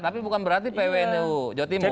tapi bukan berarti pwnu jotimur